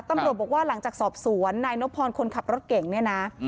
ตำรวจบอกว่าหลังจากสอบสวนนายนพรคนขับรถเก่งเนี่ยนะ